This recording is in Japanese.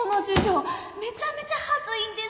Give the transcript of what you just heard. めちゃめちゃ恥ずいんですけど